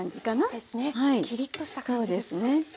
そうですねキリッとした感じですね。